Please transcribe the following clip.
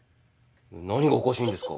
何がおかしいんですか。